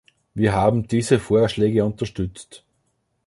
Wir haben diese Vorschläge unterstützt.